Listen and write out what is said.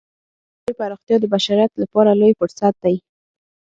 د ټکنالوجۍ پراختیا د بشریت لپاره لوی فرصت دی.